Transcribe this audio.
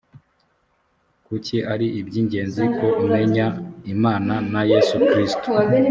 kuki ari iby ingenzi ko umenya imana na yesu kristo